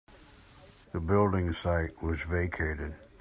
The building site was vacated.